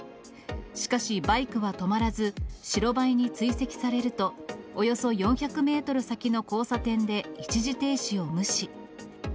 しかし、バイクは止まらず、白バイに追跡されると、およそ４００メートル先の交差点で一時停止を無視。